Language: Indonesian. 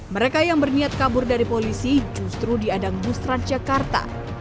mereka yang berniat kabur dari polisi justru di adang busran jakarta